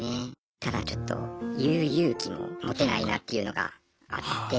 ただちょっと言う勇気も持てないなっていうのがあって。